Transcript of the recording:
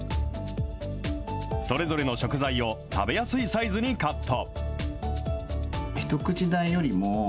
それぞれの食材を食べやすいサイズにカット。